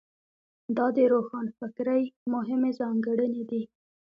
دا د روښانفکرۍ مهمې ځانګړنې دي.